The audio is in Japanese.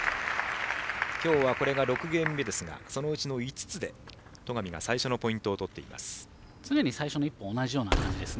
今日はこれが６ゲーム目ですがそのうちの５つで戸上が最初のポイントを常に最初の１本は同じような形ですね。